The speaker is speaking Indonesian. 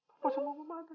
apa semua mematah